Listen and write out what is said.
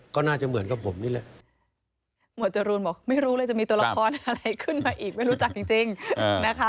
ก็น่าจะเหมือนกับผมนี่แหละ